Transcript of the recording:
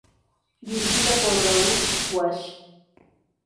Dirigida por Raoul Walsh.